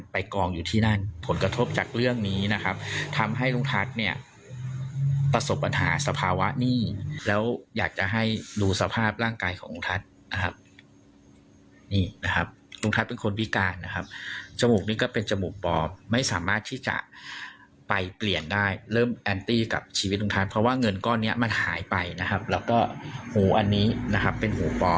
กองอยู่ที่นั่นผลกระทบจากเรื่องนี้นะครับทำให้ลุงทัศน์เนี่ยประสบปัญหาสภาวะหนี้แล้วอยากจะให้ดูสภาพร่างกายของลุงทัศน์นะครับนี่นะครับลุงทัศน์เป็นคนพิการนะครับจมูกนี้ก็เป็นจมูกปอไม่สามารถที่จะไปเปลี่ยนได้เริ่มแอนตี้กับชีวิตลุงทัศน์เพราะว่าเงินก้อนเนี้ยมันหายไปนะครับแล้วก็หูอันนี้นะครับเป็นหูปอ